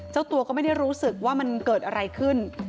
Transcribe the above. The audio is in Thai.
เจ้าตัวก็ไม่ได้รู้สึกว่ามันเกิดอะไรขึ้น